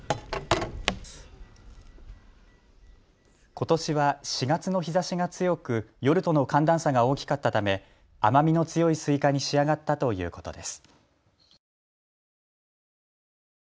ことしは４月の日ざしが強く夜との寒暖差が大きかったため甘みの強いスイカに仕上がったということです。